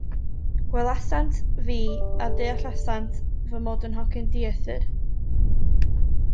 Gwelsant fi, a deallasant fy mod yn hogyn dieithr.